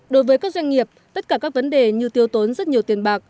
đối với các doanh nghiệp tất cả các vấn đề như tiêu tốn rất nhiều tiền bạc